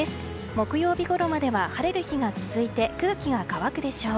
木曜日ごろまでは晴れる日が続いて空気が乾くでしょう。